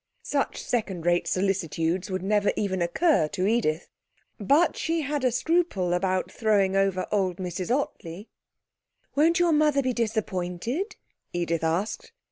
Such second rate solicitudes would never even occur to Edith. But she had a scruple about throwing over old Mrs Ottley. 'Won't your mother be disappointed?' Edith asked.